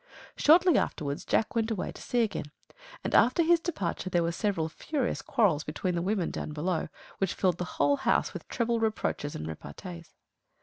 Shortly afterwards Jack went away to sea again; and after his departure there were several furious quarrels between the women down below, which filled the whole house with treble reproaches and repartees.